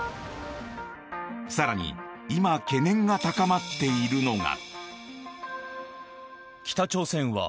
更に今、懸念が高まっているのが。